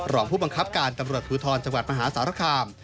รองผู้บังคับการตำรวจภูทรจังหวัดมหาสารคาม